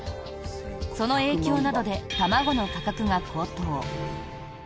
その影響などで卵の価格が高騰。